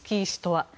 は